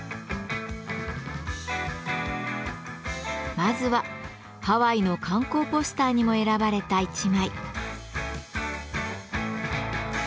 まずはハワイの観光ポスターにも選ばれた１枚。